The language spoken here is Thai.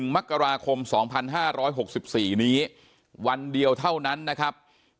มกราคม๒๕๖๔นี้วันเดียวเท่านั้นนะครับ